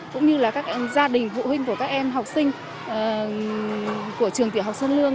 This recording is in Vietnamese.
cũng như là các gia đình phụ huynh của các em học sinh của trường tiểu học sơn lương